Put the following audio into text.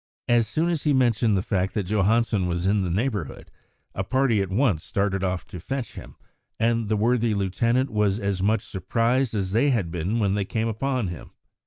As soon as he mentioned the fact that Johansen was in the neighbourhood, a party at once started off to fetch him, and the worthy lieutenant was as much surprised as they had been when they came upon him.